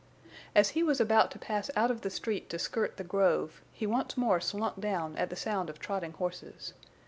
As he was about to pass out of the street to skirt the grove, he once more slunk down at the sound of trotting horses.